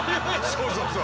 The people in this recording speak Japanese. そうそうそう。